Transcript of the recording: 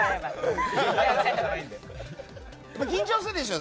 緊張するでしょ？